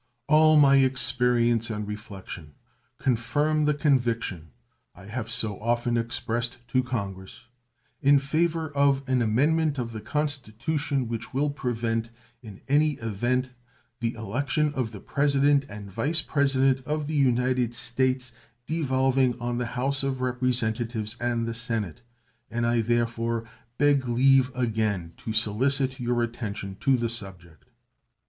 All my experience and reflection confirm the conviction I have so often expressed to Congress in favor of an amendment of the Constitution which will prevent in any event the election of the President and Vice President of the United States devolving on the House of Representatives and the Senate, and I therefore beg leave again to solicit your attention to the subject.